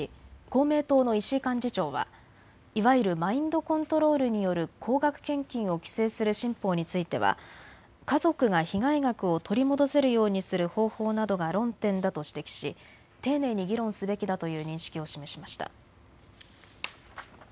公明党の石井幹事長はいわゆるマインドコントロールによる高額献金を規制する新法については家族が被害額を取り戻せるようにする方法などが論点だと指摘し丁寧に議論すべきだという認識を示しました。